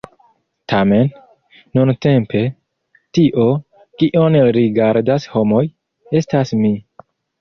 Tamen, nuntempe, tio, kion rigardas homoj, estas mi!